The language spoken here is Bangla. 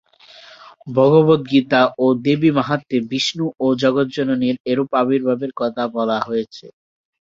ভগবদ্গীতা ও দেবীমাহাত্ম্যে বিষ্ণু ও জগজ্জননীর এরূপ আবির্ভাবের কথা বলা হয়েছে।